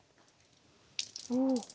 おお！